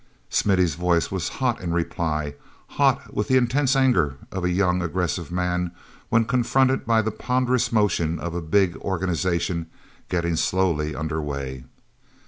Smithy's voice was hot in reply, hot with the intense anger of a young, aggressive man when confronted by the ponderous motion of a big organization getting slowly under way.